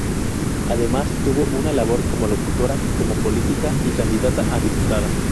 Además tuvo una labor como locutora, como política y candidata a diputada.